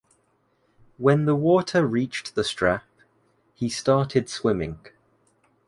When the water reached the strap, he started swimming.